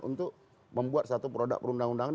untuk membuat satu produk perundang undangan